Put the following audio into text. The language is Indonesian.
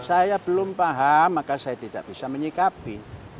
saya belum paham maka saya tidak bisa menyikapi